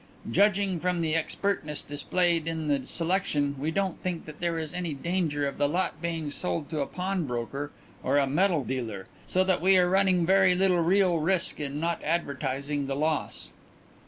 Judging from the expertness displayed in the selection, we don't think that there is any danger of the lot being sold to a pawnbroker or a metal dealer, so that we are running very little real risk in not advertising the loss."